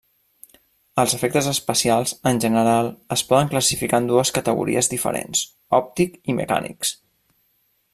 Els efectes especials, en general, es poden classificar en dues categories diferents: òptic i mecànics.